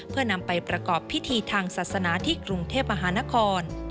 เพื่อนำไปประกอบพิธีทางศาสนาที่กรุงเทพมหานคร